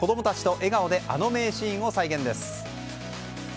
子供たちと笑顔であの名シーンを再現です。